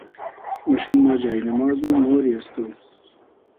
موشوم ما جای نیماز و مۉری از تو